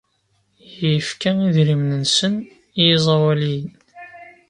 Yefka idrimen-nsen i yiẓawaliyen.